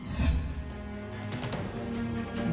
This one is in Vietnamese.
vì vậy người dùng cần